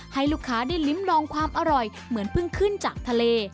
ให้ลูกค้าได้ลิ้มลองความอร่อยเหมือนเพิ่งขึ้นจากทะเล